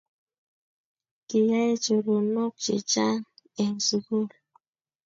kiayei choronok chechanh eng sukul.